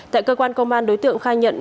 tại cơ quan công an đối tượng khai nhận